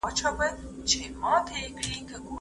افغانستان پخوانی هېواد دئ.